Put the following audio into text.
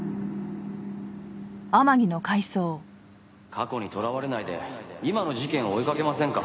過去にとらわれないで今の事件を追いかけませんか？